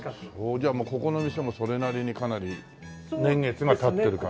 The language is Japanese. じゃあここの店もそれなりにかなり年月が経ってる感じで？